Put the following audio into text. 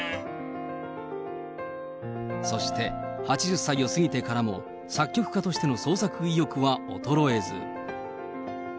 そして、８０歳を過ぎてからも、作曲家としての創作意欲は衰えず。